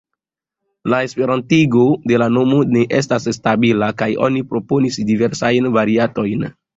La esperantigo de la nomo ne estas stabila, kaj oni proponis diversajn variantojn.